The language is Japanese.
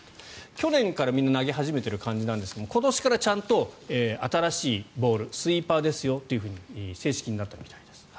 去年からみんな投げ始めてる感じなんですが今年からちゃんと新しいボールスイーパーですよと正式になったみたいです。